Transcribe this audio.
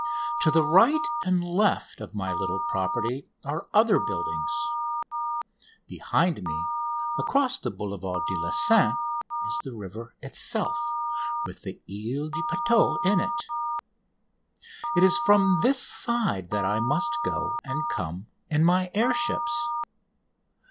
To the right and left of my little property are other buildings. Behind me, across the Boulevard de la Seine, is the river itself, with the Ile de Puteaux in it. It is from this side that I must go and come in my air ships.